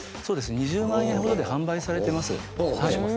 ２０万円ほどで販売されてます。